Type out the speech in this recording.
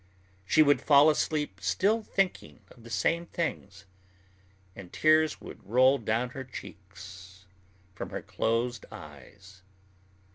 She would fall asleep still thinking of the same things, and tears would roll down her cheeks from her closed eyes.